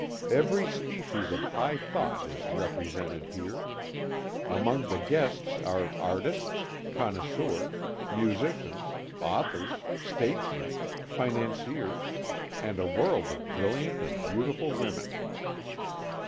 Every species of high thought is represented here. Among the guests are artists, connoisseurs, musicians, authors, statesmen, financiers, and a world of brilliant and beautiful women.